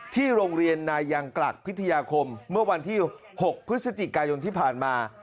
ที่โรงเรียนนายังกลักพิทยาคมเมื่อวันที่๖พฤศจิกายนที่ผ่านมา